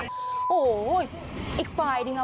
โอ้โหอีกฝ่ายนึงอ่ะ